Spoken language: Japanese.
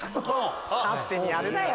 勝手にやるなよ！